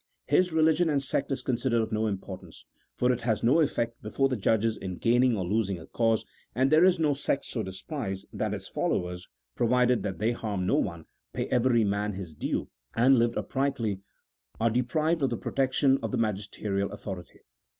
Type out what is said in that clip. His religion and sect is con sidered of no importance : for it has no effect before the judges in gaining or losing a cause, and there is no sect so despised that its followers, provided that they harm no one, pay every man his due, and live uprightly, are deprived of the protection of the magisterial authority.